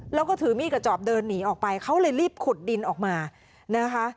แล้วก็ถือมีดกระจอบเดินหนีออกไปเขาเลยรีบขุดดินออกมานะคะ